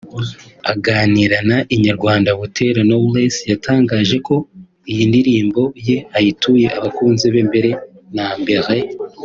Aganira na Inyarwanda Butera Knowless yatangaje ko iyi ndirimbo ye ayituye abakunzi be mbere na mbere